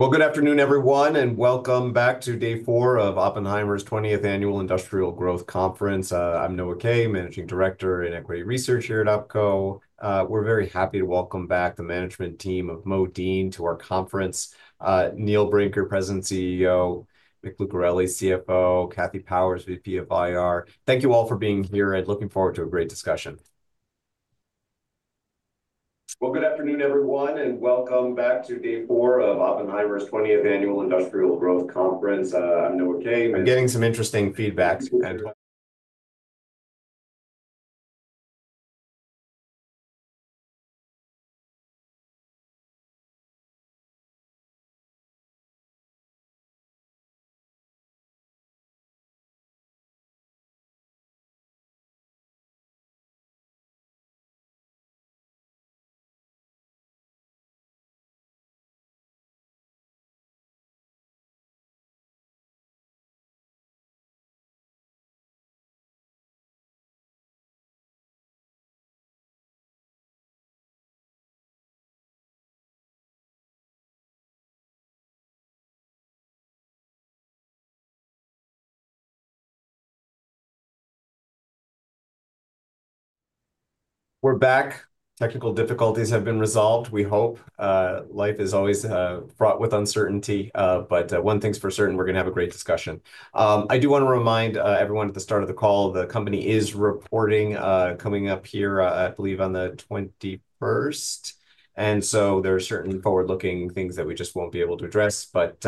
Good afternoon, everyone, and welcome back to day four of Oppenheimer's 20th Annual Industrial Growth Conference. I'm Noah Kay, Managing Director and Equity Research here at Opco. We're very happy to welcome back the management team of Modine to our conference: Neil Brinker, President CEO; Mick Lucareli, CFO; Kathy Powers, VP of IR. Thank you all for being here, and looking forward to a great discussion. Good afternoon, everyone, and welcome back to day four of Oppenheimer's 20th Annual Industrial Growth Conference. I'm Noah Kay. I'm getting some interesting feedback. We're back. Technical difficulties have been resolved, we hope. Life is always fraught with uncertainty, but one thing's for certain, we're going to have a great discussion. I do want to remind everyone at the start of the call, the company is reporting coming up here, I believe, on the 21st. There are certain forward-looking things that we just won't be able to address. With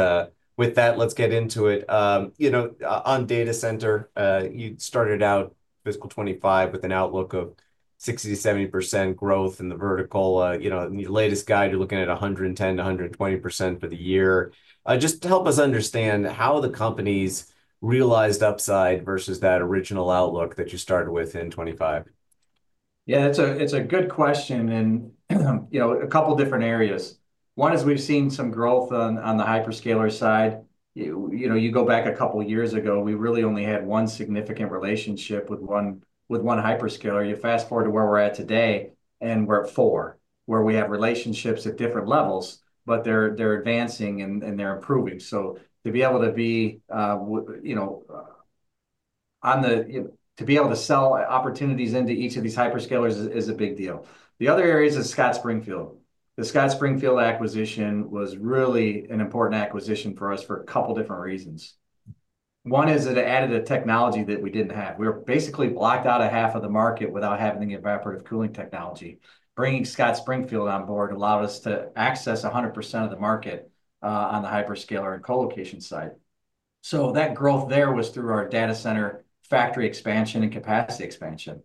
that, let's get into it. On data center, you started out fiscal 2025 with an outlook of 60%-70% growth in the vertical. In your latest guide, you're looking at 110%-120% for the year. Just help us understand how the company's realized upside versus that original outlook that you started with in 2025. Yeah, it's a good question in a couple of different areas. One is we've seen some growth on the hyperscaler side. You go back a couple of years ago, we really only had one significant relationship with one hyperscaler. You fast forward to where we're at today, and we're at four, where we have relationships at different levels, but they're advancing and they're improving. To be able to sell opportunities into each of these hyperscalers is a big deal. The other area is Scott Springfield. The Scott Springfield acquisition was really an important acquisition for us for a couple of different reasons. One is it added a technology that we didn't have. We were basically blocked out of half of the market without having the evaporative cooling technology. Bringing Scott Springfield on board allowed us to access 100% of the market on the hyperscaler and colocation side. That growth there was through our data center factory expansion and capacity expansion.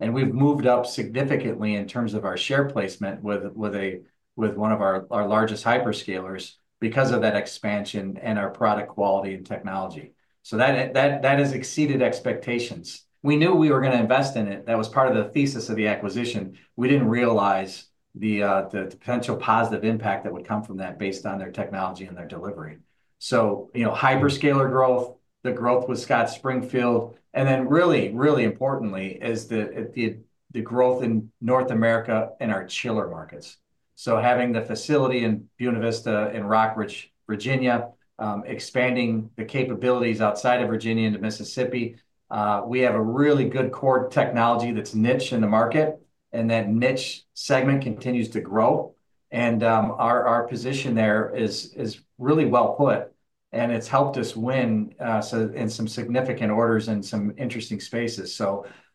We have moved up significantly in terms of our share placement with one of our largest hyperscalers because of that expansion and our product quality and technology. That has exceeded expectations. We knew we were going to invest in it. That was part of the thesis of the acquisition. We did not realize the potential positive impact that would come from that based on their technology and their delivery. Hyperscaler growth, the growth with Scott Springfield, and then really, really importantly is the growth in North America and our chiller markets. Having the facility in Buena Vista and Rockbridge, Virginia, expanding the capabilities outside of Virginia into Mississippi, we have a really good core technology that's niche in the market, and that niche segment continues to grow. Our position there is really well put, and it's helped us win in some significant orders in some interesting spaces.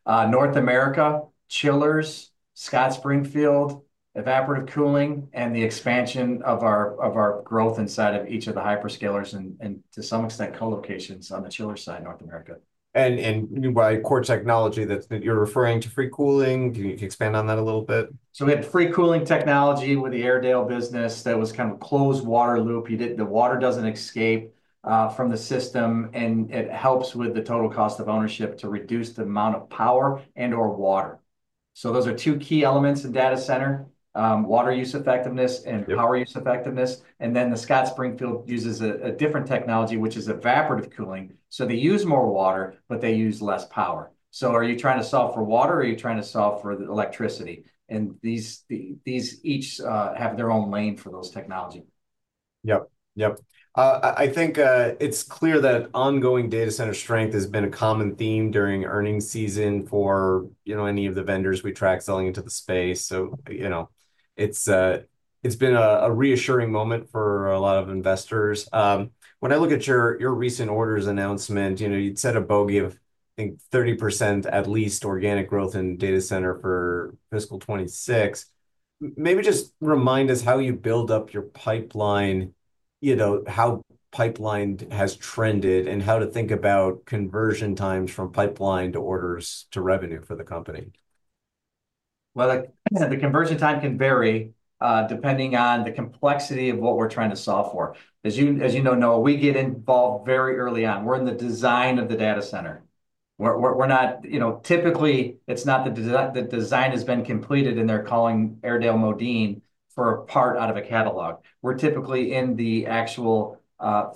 North America, chillers, Scott Springfield, evaporative cooling, and the expansion of our growth inside of each of the hyperscalers and to some extent colocations on the chiller side in North America. By core technology, you're referring to free cooling? Can you expand on that a little bit? We had free cooling technology with the Airedale business that was kind of a closed water loop. The water does not escape from the system, and it helps with the total cost of ownership to reduce the amount of power and/or water. Those are two key elements in data center: water use effectiveness and power use effectiveness. The Scott Springfield uses a different technology, which is evaporative cooling. They use more water, but they use less power. Are you trying to solve for water? Are you trying to solve for the electricity? Each have their own lane for those technologies. Yep. Yep. I think it's clear that ongoing data center strength has been a common theme during earnings season for any of the vendors we track selling into the space. It has been a reassuring moment for a lot of investors. When I look at your recent orders announcement, you'd set a bogey, I think, 30% at least organic growth in data center for fiscal 2026. Maybe just remind us how you build up your pipeline, how pipeline has trended, and how to think about conversion times from pipeline to orders to revenue for the company. The conversion time can vary depending on the complexity of what we're trying to solve for. As you know, Noah, we get involved very early on. We're in the design of the data center. Typically, it's not the design has been completed, and they're calling Airedale Modine for a part out of a catalog. We're typically in the actual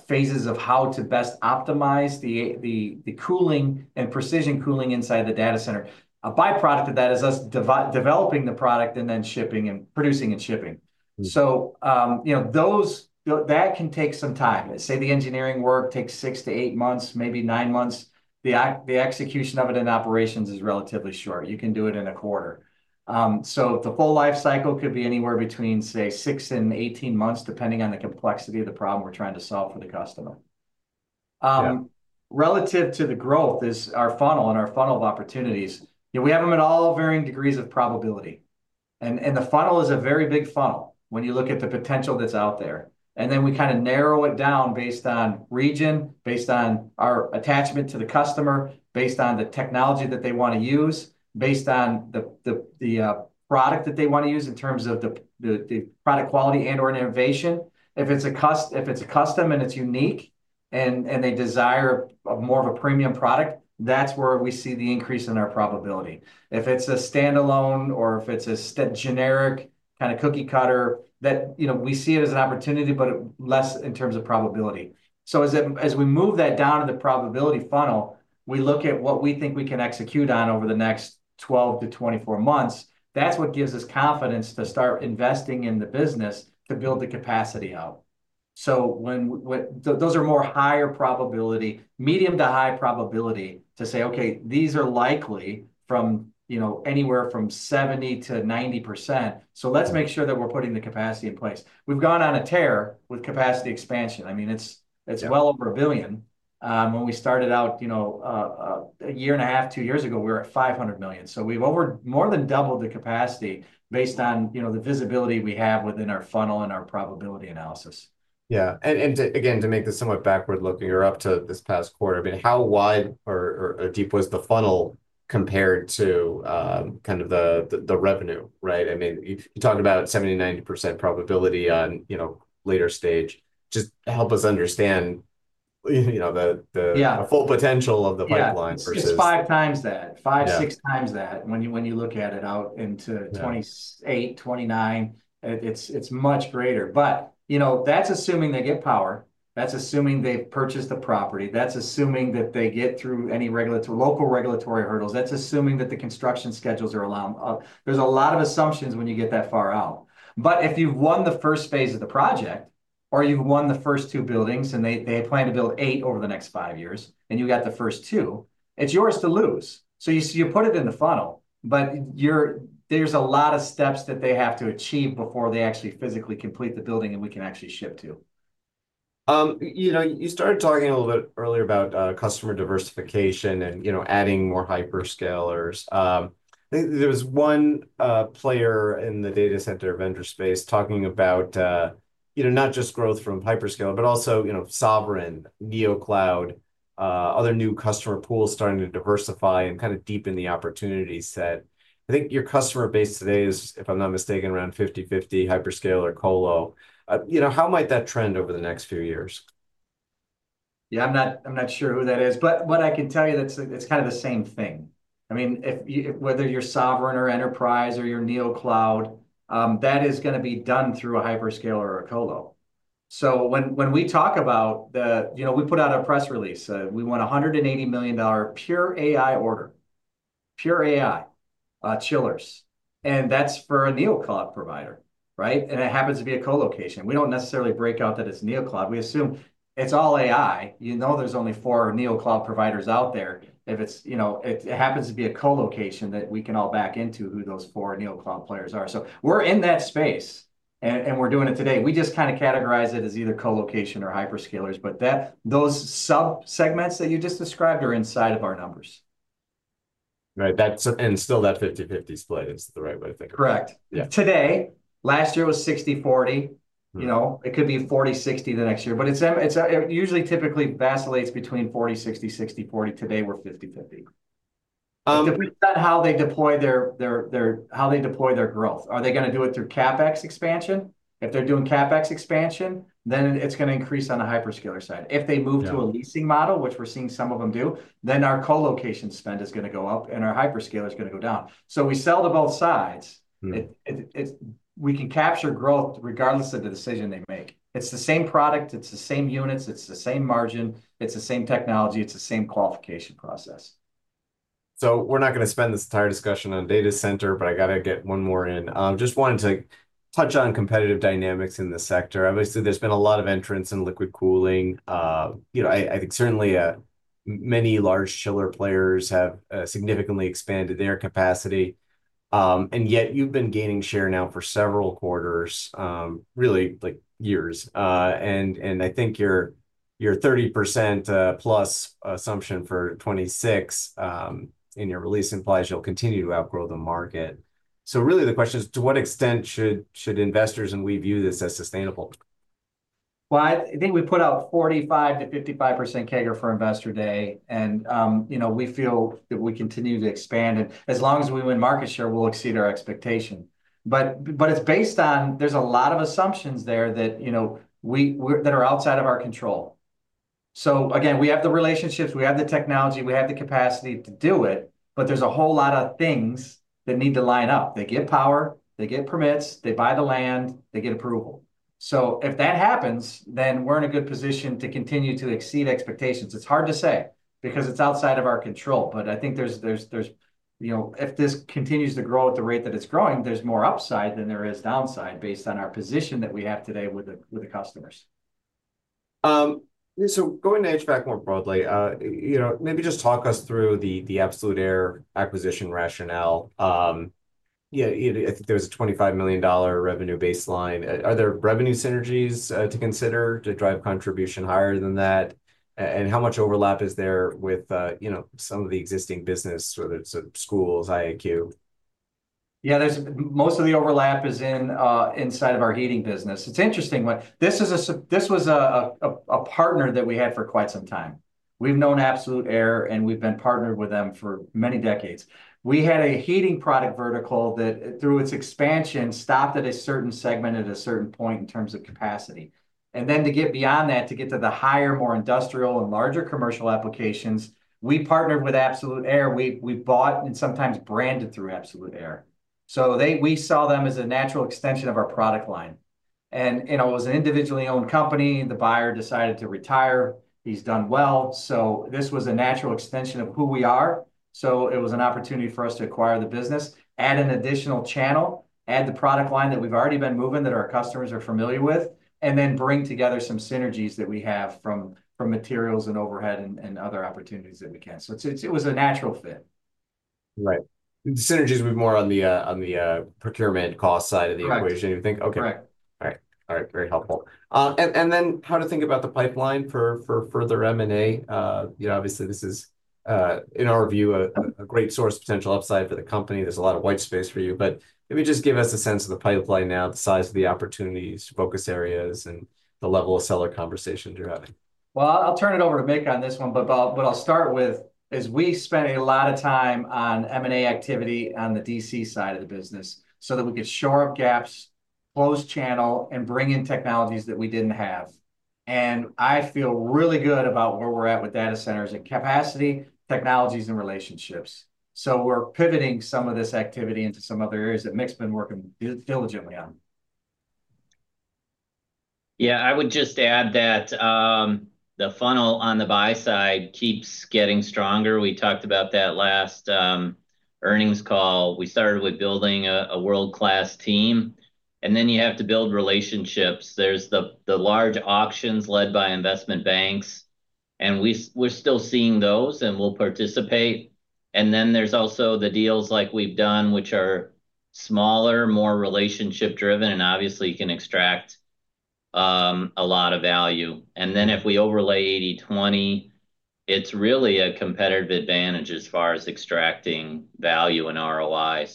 phases of how to best optimize the cooling and precision cooling inside the data center. A byproduct of that is us developing the product and then producing and shipping. That can take some time. Say the engineering work takes six to eight months, maybe nine months. The execution of it in operations is relatively short. You can do it in a quarter. The full life cycle could be anywhere between, say, six and 18 months, depending on the complexity of the problem we're trying to solve for the customer. Relative to the growth is our funnel and our funnel of opportunities. We have them at all varying degrees of probability. The funnel is a very big funnel when you look at the potential that's out there. We kind of narrow it down based on region, based on our attachment to the customer, based on the technology that they want to use, based on the product that they want to use in terms of the product quality and/or innovation. If it's a custom and it's unique and they desire more of a premium product, that's where we see the increase in our probability. If it is a standalone or if it is a generic kind of cookie cutter, we see it as an opportunity, but less in terms of probability. As we move that down to the probability funnel, we look at what we think we can execute on over the next 12-24 months. That is what gives us confidence to start investing in the business to build the capacity out. Those are more higher probability, medium to high probability to say, "Okay, these are likely from anywhere from 70%-90%. Let's make sure that we are putting the capacity in place." I mean, we have gone on a tear with capacity expansion. It is well over a billion. When we started out a year and a half, two years ago, we were at $500 million. We've more than doubled the capacity based on the visibility we have within our funnel and our probability analysis. Yeah. Again, to make this somewhat backward-looking, or up to this past quarter, I mean, how wide or deep was the funnel compared to kind of the revenue, right? I mean, you talked about 70%-90% probability on later stage. Just help us understand the full potential of the pipeline versus. Yeah. It's five times that, five, six times that. When you look at it out into 2028, 2029, it's much greater. That's assuming they get power. That's assuming they've purchased the property. That's assuming that they get through any local regulatory hurdles. That's assuming that the construction schedules are allowed. There are a lot of assumptions when you get that far out. If you've won the first phase of the project, or you've won the first two buildings, and they plan to build eight over the next five years, and you got the first two, it's yours to lose. You put it in the funnel, but there are a lot of steps that they have to achieve before they actually physically complete the building and we can actually ship to. You started talking a little bit earlier about customer diversification and adding more hyperscalers. There was one player in the data center vendor space talking about not just growth from hyperscaler, but also Sovereign, NeoCloud, other new customer pools starting to diversify and kind of deepen the opportunity set. I think your customer base today is, if I'm not mistaken, around 50/50 hyperscaler/colo. How might that trend over the next few years? Yeah, I'm not sure who that is. But what I can tell you, it's kind of the same thing. I mean, whether you're Sovereign or Enterprise or you're NeoCloud, that is going to be done through a hyperscaler or a colo. So when we talk about the we put out a press release. We won a $180 million pure AI order, pure AI chillers. And that's for a NeoCloud provider, right? And it happens to be a colocation. We don't necessarily break out that it's NeoCloud. We assume it's all AI. You know there's only four NeoCloud providers out there. If it happens to be a colocation, that we can all back into who those four NeoCloud players are. So we're in that space, and we're doing it today. We just kind of categorize it as either colocation or hyperscalers. Those subsegments that you just described are inside of our numbers. Right. And still that 50/50 split is the right way to think about it. Correct. Today, last year was 60/40. It could be 40/60 the next year. It usually typically vacillates between 40/60, 60/40. Today, we're 50/50. It depends on how they deploy their growth. Are they going to do it through CapEx expansion? If they're doing CapEx expansion, then it's going to increase on the hyperscaler side. If they move to a leasing model, which we're seeing some of them do, our colocation spend is going to go up, and our hyperscaler is going to go down. We sell to both sides. We can capture growth regardless of the decision they make. It's the same product. It's the same units. It's the same margin. It's the same technology. It's the same qualification process. We're not going to spend this entire discussion on data center, but I got to get one more in. Just wanted to touch on competitive dynamics in the sector. Obviously, there's been a lot of entrance in liquid cooling. I think certainly many large chiller players have significantly expanded their capacity. And yet you've been gaining share now for several quarters, really years. I think your 30% plus assumption for 2026 in your release implies you'll continue to outgrow the market. Really, the question is, to what extent should investors and we view this as sustainable? I think we put out 45%-55% CAGR for investor day. We feel that we continue to expand. As long as we win market share, we'll exceed our expectation. It's based on there's a lot of assumptions there that are outside of our control. Again, we have the relationships. We have the technology. We have the capacity to do it. There's a whole lot of things that need to line up. They get power. They get permits. They buy the land. They get approval. If that happens, then we're in a good position to continue to exceed expectations. It's hard to say because it's outside of our control. I think if this continues to grow at the rate that it's growing, there's more upside than there is downside based on our position that we have today with the customers. Going to HVAC more broadly, maybe just talk us through the Absolute Air acquisition rationale. I think there was a $25 million revenue baseline. Are there revenue synergies to consider to drive contribution higher than that? How much overlap is there with some of the existing business, whether it's schools, IAQ? Yeah, most of the overlap is inside of our heating business. It's interesting. This was a partner that we had for quite some time. We've known Absolute Air, and we've been partnered with them for many decades. We had a heating product vertical that, through its expansion, stopped at a certain segment at a certain point in terms of capacity. To get beyond that, to get to the higher, more industrial and larger commercial applications, we partnered with Absolute Air. We bought and sometimes branded through Absolute Air. We saw them as a natural extension of our product line. It was an individually owned company. The buyer decided to retire. He's done well. This was a natural extension of who we are. It was an opportunity for us to acquire the business, add an additional channel, add the product line that we've already been moving that our customers are familiar with, and then bring together some synergies that we have from materials and overhead and other opportunities that we can. It was a natural fit. Right. The synergies were more on the procurement cost side of the equation, you think? Correct. Okay. All right. Very helpful. How to think about the pipeline for further M&A? Obviously, this is, in our view, a great source of potential upside for the company. There is a lot of white space for you. Maybe just give us a sense of the pipeline now, the size of the opportunities, focus areas, and the level of seller conversations you are having. I'll turn it over to Mick on this one. What I'll start with is we spent a lot of time on M&A activity on the DC side of the business so that we could shore up gaps, close channel, and bring in technologies that we didn't have. I feel really good about where we're at with data centers and capacity, technologies, and relationships. We're pivoting some of this activity into some other areas that Mick's been working diligently on. Yeah. I would just add that the funnel on the buy side keeps getting stronger. We talked about that last earnings call. We started with building a world-class team. And then you have to build relationships. There are the large auctions led by investment banks. We are still seeing those, and we will participate. There are also the deals like we have done, which are smaller, more relationship-driven, and obviously can extract a lot of value. If we overlay 80/20, it is really a competitive advantage as far as extracting value and ROI.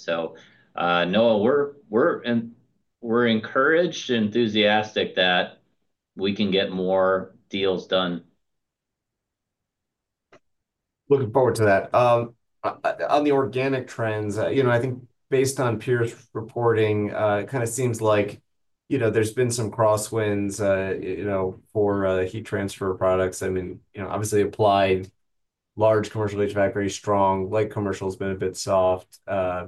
Noah, we are encouraged, enthusiastic that we can get more deals done. Looking forward to that. On the organic trends, I think based on peers reporting, it kind of seems like there's been some crosswinds for heat transfer products. I mean, obviously applied, large commercial HVAC, very strong. Light commercials benefit soft.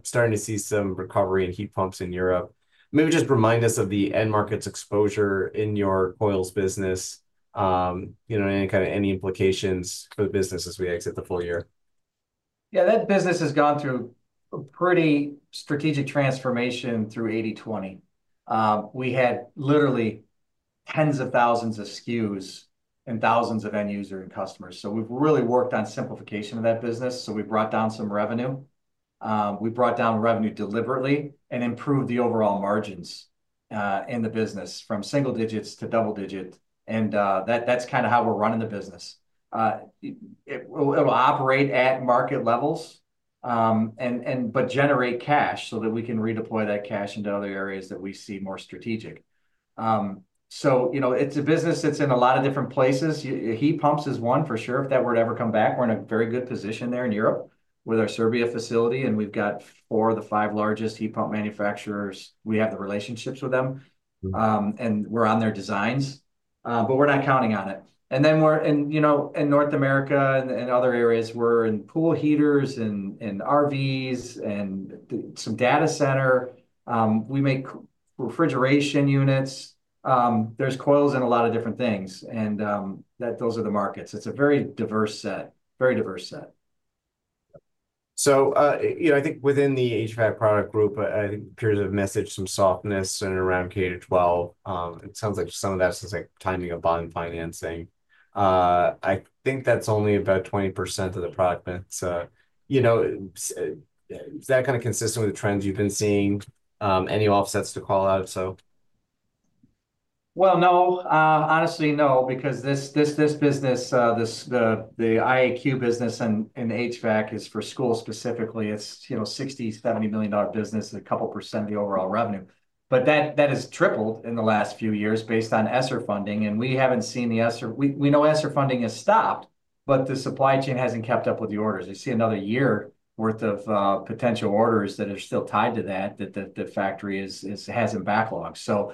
Starting to see some recovery in heat pumps in Europe. Maybe just remind us of the end market's exposure in your coils business, any kind of implications for the business as we exit the full year. Yeah. That business has gone through a pretty strategic transformation through 80/20. We had literally tens of thousands of SKUs and thousands of end users and customers. We have really worked on simplification of that business. We brought down some revenue. We brought down revenue deliberately and improved the overall margins in the business from single digits to double digit. That is kind of how we are running the business. It will operate at market levels, but generate cash so that we can redeploy that cash into other areas that we see more strategic. It is a business that is in a lot of different places. Heat pumps is one for sure. If that were to ever come back, we are in a very good position there in Europe with our Serbia facility. We have four of the five largest heat pump manufacturers. We have the relationships with them. We're on their designs. We're not counting on it. In North America and other areas, we're in pool heaters and RVs and some data center. We make refrigeration units. There's coils and a lot of different things. Those are the markets. It's a very diverse set, very diverse set. I think within the HVAC product group, I think peers have messaged some softness in around K to 12. It sounds like some of that seems like timing of bond financing. I think that's only about 20% of the product mix. Is that kind of consistent with the trends you've been seeing? Any offsets to call out? Honestly, no, because this business, the IAQ business and HVAC is for schools specifically. It is a $60 million-$70 million business and a couple % of the overall revenue. That has tripled in the last few years based on ESSER funding. We know ESSER funding has stopped, but the supply chain has not kept up with the orders. You see another year's worth of potential orders that are still tied to that, that the factory has not backlogged.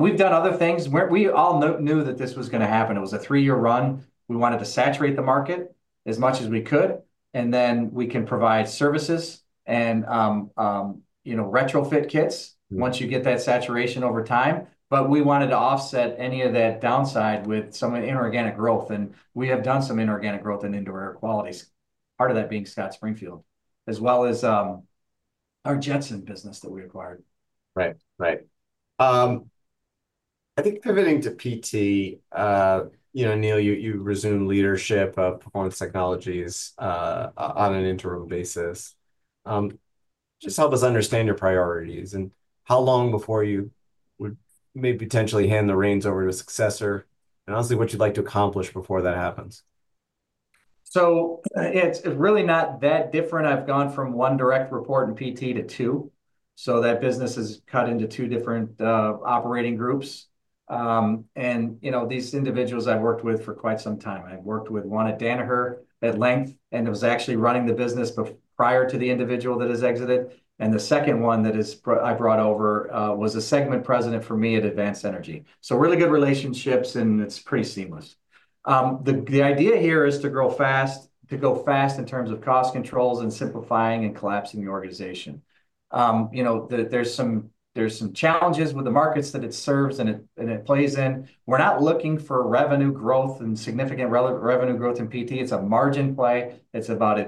We have done other things. We all knew that this was going to happen. It was a three-year run. We wanted to saturate the market as much as we could. We can provide services and retrofit kits once you get that saturation over time. We wanted to offset any of that downside with some inorganic growth. We have done some inorganic growth in indoor air quality, part of that being Scott Springfield, as well as our Jetson business that we acquired. Right. Right. I think pivoting to PT, Neil, you resume leadership of Performance Technologies on an interim basis. Just help us understand your priorities and how long before you would maybe potentially hand the reins over to a successor and honestly what you'd like to accomplish before that happens. It's really not that different. I've gone from one direct report in PT to two. That business is cut into two different operating groups. These individuals I've worked with for quite some time. I've worked with one at Danaher at length, and it was actually running the business prior to the individual that has exited. The second one that I brought over was a segment president for me at Advanced Energy. Really good relationships, and it's pretty seamless. The idea here is to grow fast, to go fast in terms of cost controls and simplifying and collapsing the organization. There are some challenges with the markets that it serves and it plays in. We're not looking for revenue growth and significant revenue growth in PT. It's a margin play. It's about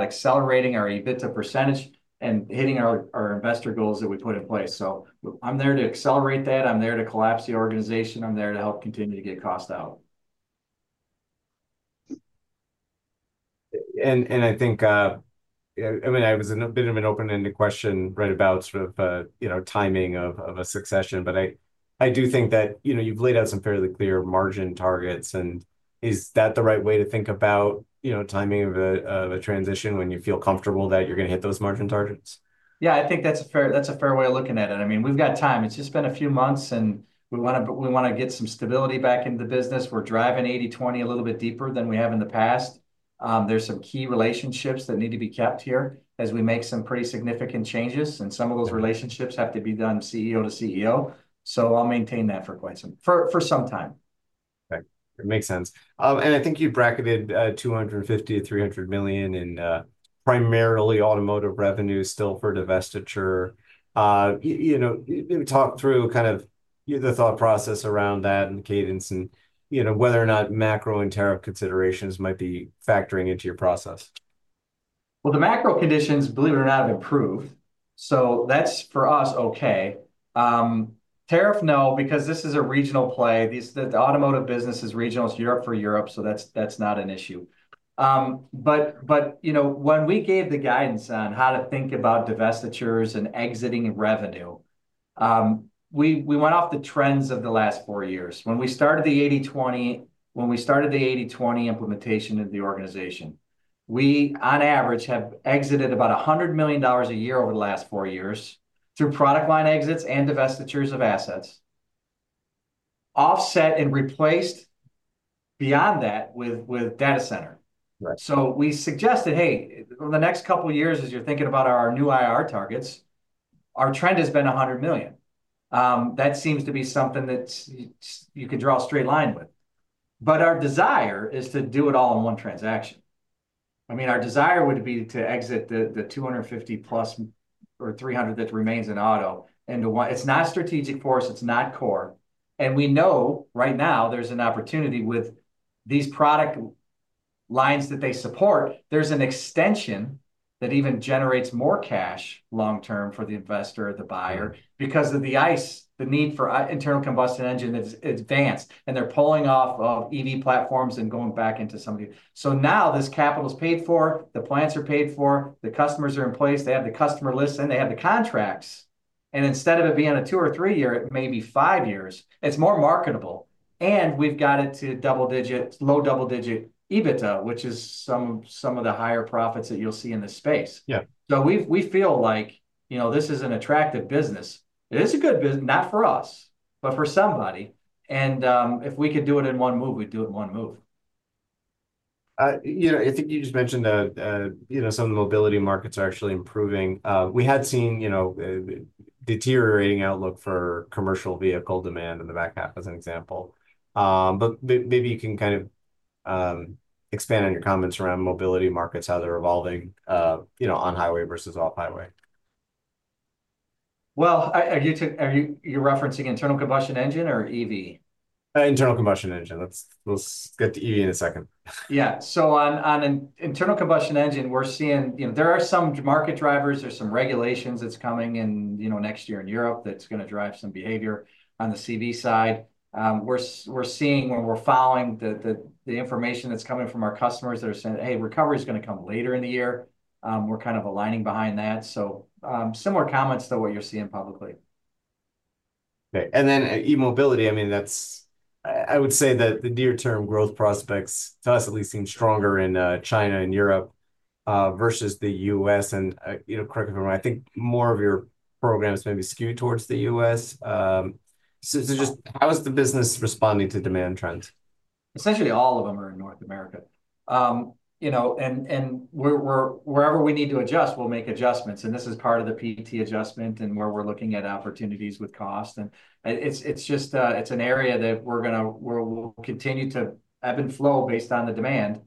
accelerating our EBITDA percentage and hitting our investor goals that we put in place. I'm there to accelerate that. I'm there to collapse the organization. I'm there to help continue to get cost out. I think, I mean, it was a bit of an open-ended question right about sort of timing of a succession. I do think that you've laid out some fairly clear margin targets. Is that the right way to think about timing of a transition when you feel comfortable that you're going to hit those margin targets? Yeah, I think that's a fair way of looking at it. I mean, we've got time. It's just been a few months, and we want to get some stability back into the business. We're driving 80/20 a little bit deeper than we have in the past. There are some key relationships that need to be kept here as we make some pretty significant changes. Some of those relationships have to be done CEO to CEO. I will maintain that for some time. Okay. That makes sense. I think you bracketed $250 million-$300 million in primarily automotive revenue still for divestiture. Maybe talk through kind of the thought process around that and the cadence and whether or not macro and tariff considerations might be factoring into your process. The macro conditions, believe it or not, have improved. That is for us okay. Tariff, no, because this is a regional play. The automotive business is regional. It is Europe for Europe. That is not an issue. When we gave the guidance on how to think about divestitures and exiting revenue, we went off the trends of the last four years. When we started the 80/20, when we started the 80/20 implementation of the organization, we, on average, have exited about $100 million a year over the last four years through product line exits and divestitures of assets, offset and replaced beyond that with data center. We suggested, "Hey, over the next couple of years, as you are thinking about our new IR targets, our trend has been $100 million." That seems to be something that you could draw a straight line with. Our desire is to do it all in one transaction. I mean, our desire would be to exit the $250 million-plus or $300 million that remains in auto into one. It's not strategic for us. It's not core. We know right now there's an opportunity with these product lines that they support. There's an extension that even generates more cash long-term for the investor, the buyer, because of the ICE, the need for internal combustion engine that's advanced. They're pulling off of EV platforms and going back into some of the—so now this capital is paid for. The plants are paid for. The customers are in place. They have the customer lists. They have the contracts. Instead of it being a two- or three-year, it may be five years. It's more marketable. We have got it to double-digit, low double-digit EBITDA, which is some of the higher profits that you will see in this space. We feel like this is an attractive business. It is a good business, not for us, but for somebody. If we could do it in one move, we would do it in one move. I think you just mentioned that some of the mobility markets are actually improving. We had seen a deteriorating outlook for commercial vehicle demand in the back half as an example. Maybe you can kind of expand on your comments around mobility markets, how they're evolving on highway versus off-highway. Are you referencing internal combustion engine or EV? Internal combustion engine. We'll get to EV in a second. Yeah. On an internal combustion engine, we're seeing there are some market drivers. There are some regulations that's coming in next year in Europe that's going to drive some behavior on the CV side. We're seeing when we're following the information that's coming from our customers that are saying, "Hey, recovery is going to come later in the year." We're kind of aligning behind that. Similar comments to what you're seeing publicly. Okay. And then e-mobility, I mean, I would say that the near-term growth prospects to us at least seem stronger in China and Europe versus the U.S. And correct me if I'm wrong. I think more of your programs may be skewed towards the U.S. So just how is the business responding to demand trends? Essentially, all of them are in North America. Wherever we need to adjust, we'll make adjustments. This is part of the PT adjustment and where we're looking at opportunities with cost. It's an area that we're going to continue to ebb and flow based on the demand.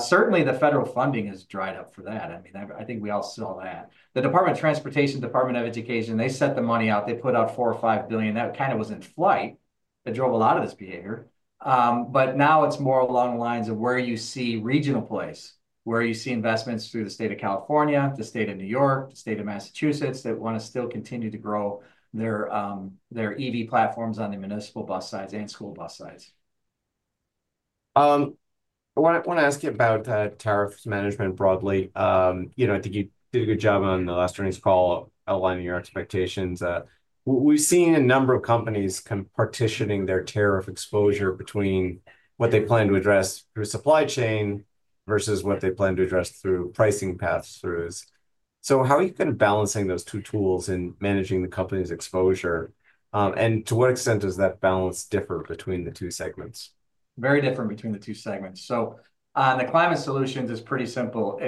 Certainly, the federal funding has dried up for that. I mean, I think we all saw that. The Department of Transportation, Department of Education, they set the money out. They put out $4 billion or $5 billion. That kind of was in flight. It drove a lot of this behavior. Now it's more along the lines of where you see regional plays, where you see investments through the state of California, the state of New York, the state of Massachusetts that want to still continue to grow their EV platforms on the municipal bus sides and school bus sides. I want to ask you about tariffs management broadly. I think you did a good job on the last earnings call outlining your expectations. We've seen a number of companies kind of partitioning their tariff exposure between what they plan to address through supply chain versus what they plan to address through pricing pass-throughs. How are you kind of balancing those two tools in managing the company's exposure? To what extent does that balance differ between the two segments? Very different between the two segments. On the climate solutions, it's pretty simple.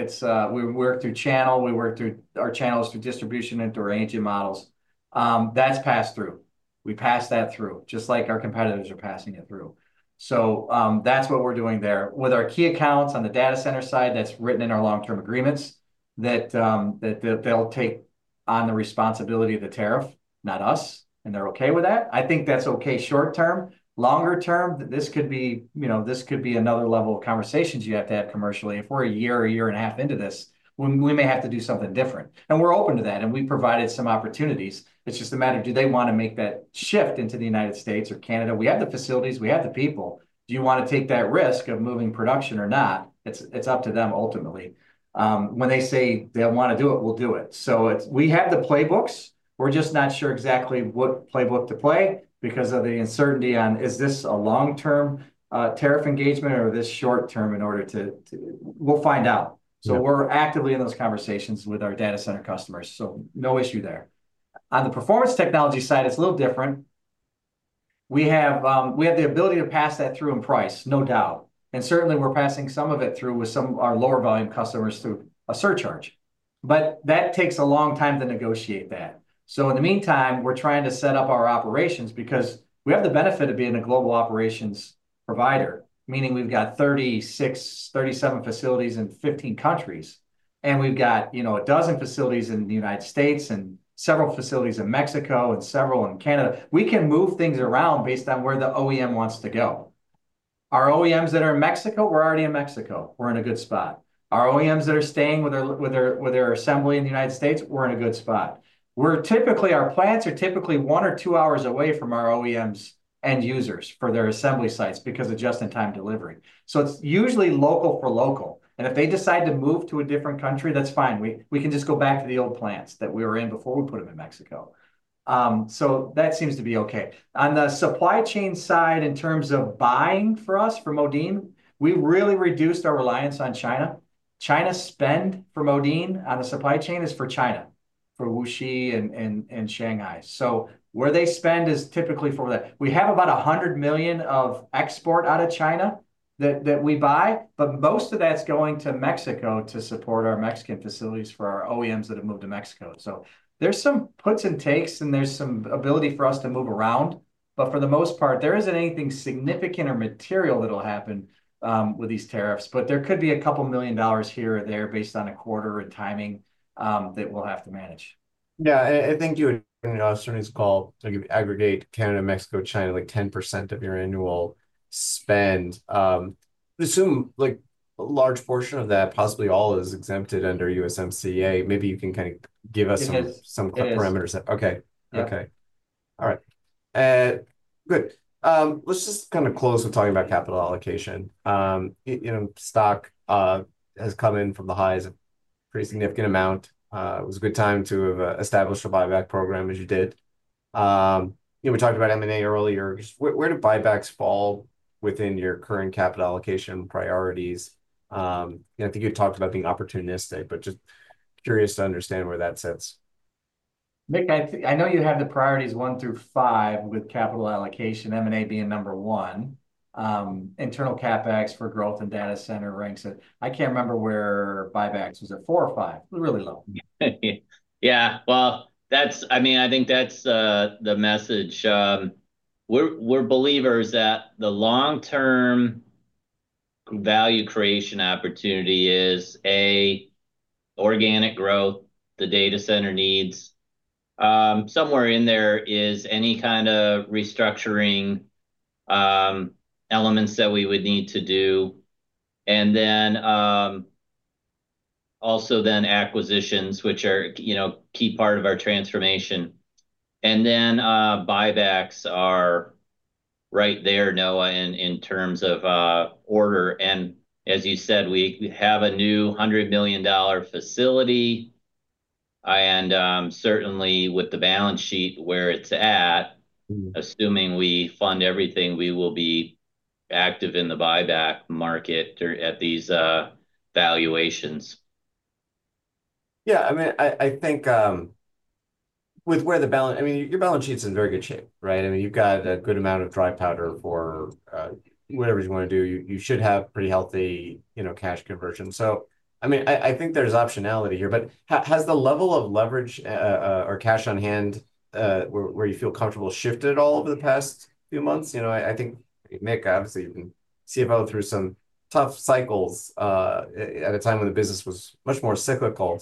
We work through channel. We work through our channels through distribution into our ANG models. That's passed through. We pass that through just like our competitors are passing it through. That's what we're doing there. With our key accounts on the data center side, that's written in our long-term agreements that they'll take on the responsibility of the tariff, not us. They're okay with that. I think that's okay short-term. Longer-term, this could be another level of conversations you have to have commercially. If we're a year or a year and a half into this, we may have to do something different. We're open to that. We've provided some opportunities. It's just a matter of do they want to make that shift into the United States or Canada. We have the facilities. We have the people. Do you want to take that risk of moving production or not? It's up to them ultimately. When they say they want to do it, we'll do it. We have the playbooks. We're just not sure exactly what playbook to play because of the uncertainty on is this a long-term tariff engagement or this short-term in order to we'll find out. We are actively in those conversations with our data center customers. No issue there. On the performance technology side, it's a little different. We have the ability to pass that through in price, no doubt. Certainly, we're passing some of it through with some of our lower-volume customers through a surcharge. That takes a long time to negotiate that. In the meantime, we're trying to set up our operations because we have the benefit of being a global operations provider, meaning we've got 36, 37 facilities in 15 countries. We've got a dozen facilities in the United States and several facilities in Mexico and several in Canada. We can move things around based on where the OEM wants to go. Our OEMs that are in Mexico, we're already in Mexico. We're in a good spot. Our OEMs that are staying with their assembly in the United States, we're in a good spot. Our plants are typically one or two hours away from our OEMs' end users for their assembly sites because of just-in-time delivery. It's usually local for local. If they decide to move to a different country, that's fine. We can just go back to the old plants that we were in before we put them in Mexico. That seems to be okay. On the supply chain side, in terms of buying for us from Modine, we really reduced our reliance on China. China spend for Modine on the supply chain is for China, for Wuxi and Shanghai. Where they spend is typically for that. We have about $100 million of export out of China that we buy, but most of that's going to Mexico to support our Mexican facilities for our OEMs that have moved to Mexico. There are some puts and takes, and there's some ability for us to move around. For the most part, there is not anything significant or material that will happen with these tariffs. There could be a couple of million dollars here or there based on a quarter and timing that we'll have to manage. Yeah. I think you had in your last earnings call, aggregate Canada, Mexico, China, like 10% of your annual spend. I assume a large portion of that, possibly all, is exempted under USMCA. Maybe you can kind of give us some parameters. It is. Okay. Okay. All right. Good. Let's just kind of close with talking about capital allocation. Stock has come in from the highs a pretty significant amount. It was a good time to establish a buyback program as you did. We talked about M&A earlier. Where do buybacks fall within your current capital allocation priorities? I think you talked about being opportunistic, but just curious to understand where that sits. I know you have the priorities one through five with capital allocation, M&A being number one. Internal CapEx for growth and data center ranks it. I can't remember where buybacks was at, four or five. It was really low. Yeah. I mean, I think that's the message. We're believers that the long-term value creation opportunity is, A, organic growth, the data center needs. Somewhere in there is any kind of restructuring elements that we would need to do. Also, acquisitions, which are a key part of our transformation. Buybacks are right there, Noah, in terms of order. As you said, we have a new $100 million facility. Certainly, with the balance sheet where it's at, assuming we fund everything, we will be active in the buyback market at these valuations. Yeah. I mean, I think with where the balance, I mean, your balance sheet's in very good shape, right? I mean, you've got a good amount of dry powder for whatever you want to do. You should have pretty healthy cash conversion. I mean, I think there's optionality here. Has the level of leverage or cash on hand where you feel comfortable shifted at all over the past few months? I think, Mick, obviously, you've been CFO through some tough cycles at a time when the business was much more cyclical.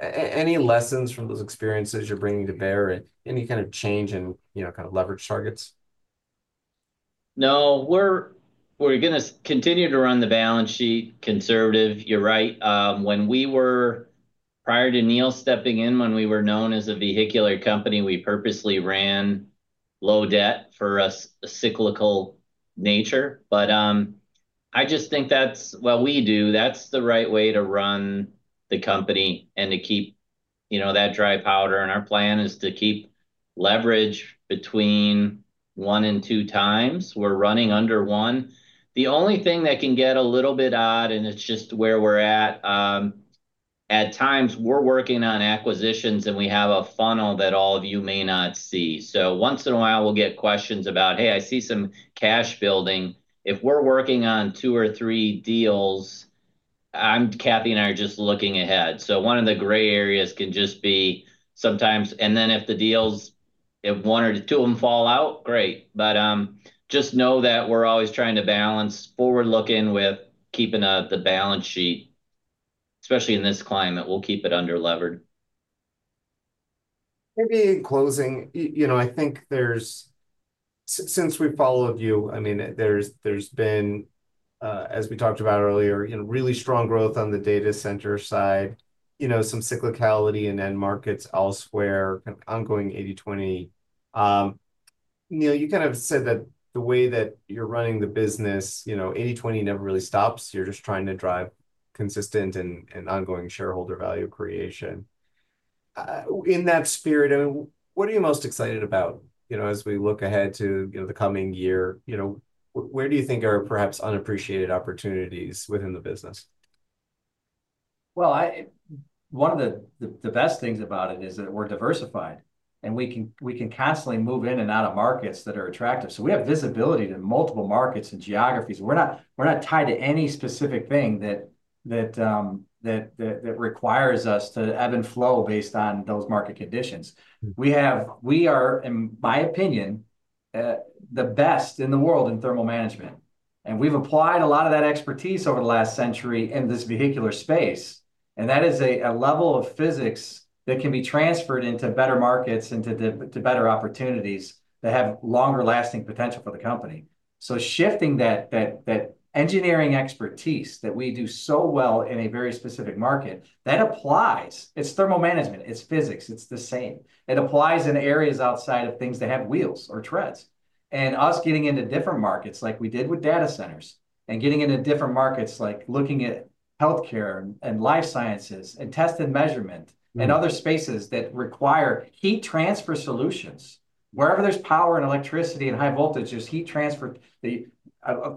Any lessons from those experiences you're bringing to bear or any kind of change in kind of leverage targets? No. We're going to continue to run the balance sheet conservative. You're right. Prior to Neil stepping in, when we were known as a vehicular company, we purposely ran low debt for a cyclical nature. I just think that's what we do. That's the right way to run the company and to keep that dry powder. Our plan is to keep leverage between one and two times. We're running under one. The only thing that can get a little bit odd, and it's just where we're at at times, we're working on acquisitions, and we have a funnel that all of you may not see. Once in a while, we'll get questions about, "Hey, I see some cash building." If we're working on two or three deals, Kathy and I are just looking ahead. One of the gray areas can just be sometimes. If the deals, if one or two of them fall out, great. Just know that we're always trying to balance forward-looking with keeping the balance sheet, especially in this climate. We'll keep it under-levered. Maybe in closing, I think since we followed you, I mean, there's been, as we talked about earlier, really strong growth on the data center side, some cyclicality in end markets elsewhere, kind of ongoing 80/20. Neil, you kind of said that the way that you're running the business, 80/20 never really stops. You're just trying to drive consistent and ongoing shareholder value creation. In that spirit, I mean, what are you most excited about as we look ahead to the coming year? Where do you think are perhaps unappreciated opportunities within the business? One of the best things about it is that we're diversified. We can constantly move in and out of markets that are attractive. We have visibility to multiple markets and geographies. We're not tied to any specific thing that requires us to ebb and flow based on those market conditions. We are, in my opinion, the best in the world in thermal management. We've applied a lot of that expertise over the last century in this vehicular space. That is a level of physics that can be transferred into better markets and to better opportunities that have longer-lasting potential for the company. Shifting that engineering expertise that we do so well in a very specific market, that applies. It's thermal management. It's physics. It's the same. It applies in areas outside of things that have wheels or treads. Us getting into different markets like we did with data centers and getting into different markets like looking at healthcare and life sciences and test and measurement and other spaces that require heat transfer solutions. Wherever there is power and electricity and high voltage, there is heat transfer.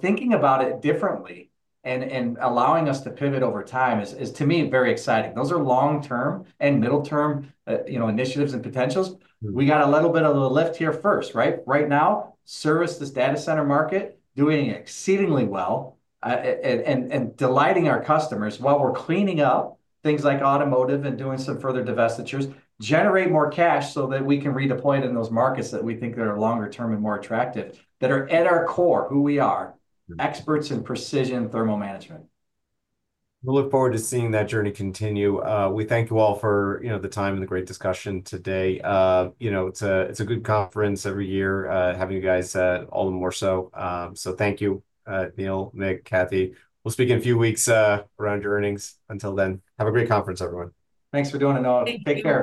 Thinking about it differently and allowing us to pivot over time is, to me, very exciting. Those are long-term and middle-term initiatives and potentials. We got a little bit of a lift here first, right? Right now, service the data center market, doing exceedingly well and delighting our customers while we are cleaning up things like automotive and doing some further divestitures, generate more cash so that we can redeploy it in those markets that we think that are longer-term and more attractive, that are at our core, who we are, experts in precision thermal management. We look forward to seeing that journey continue. We thank you all for the time and the great discussion today. It's a good conference every year, having you guys all the more so. Thank you, Neil, Mick, Kathy. We'll speak in a few weeks around your earnings. Until then, have a great conference, everyone. Thanks for doing it, Noah. Take care.